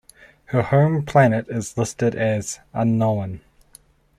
Her home planet is listed as "unknown".